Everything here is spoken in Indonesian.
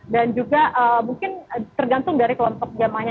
dan juga mungkin tergantung dari kelompok jamaahnya